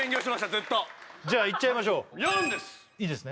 ずっとじゃあいっちゃいましょう４ですいいですね